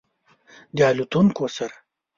د الوتونکو سره